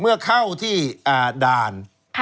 เมื่อเข้าที่ด่าน